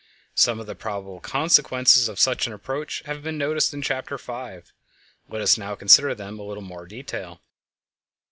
Some of the probable consequences of such an approach have been noticed in Chapter 5; let us now consider them a little more in detail.